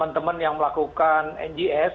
teman teman yang melakukan ngs